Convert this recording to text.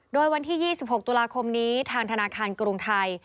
โดยวันที่๒๖ตุลาคมนี้ทางธนาคารกรุงไทย